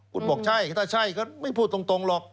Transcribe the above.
คุณบอกใช่ถ้าใช่ก็ไม่พูดตรงหรอก